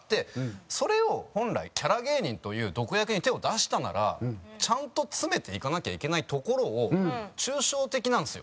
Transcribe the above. それを本来キャラ芸人という毒薬に手を出したならちゃんと詰めていかなきゃいけないところを抽象的なんですよ。